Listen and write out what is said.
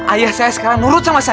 ayah saya sekarang nurut sama saya